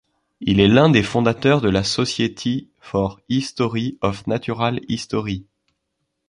Il est l’un des fondateurs de la Society for History of Natural History.